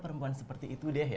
perempuan seperti itu deh